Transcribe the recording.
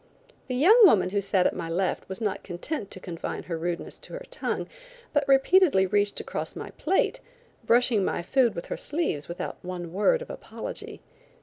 The young woman who sat at my left was not content to confine her rudeness to her tongue, but repeatedly reached across my plate, brushing my food with her sleeves without one word of apology.